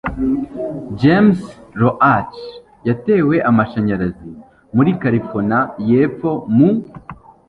James Roach yatewe amashanyarazi muri Carolina yepfo mu